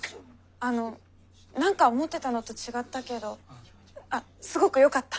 あの何か思ってたのと違ったけどあっすごくよかった。